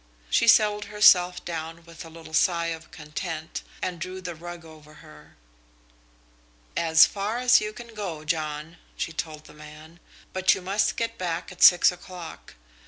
She settled herself down with a little sigh of content and drew the rug over her. "As far as you can go, John," she told the man, "but you must get back at six o'clock.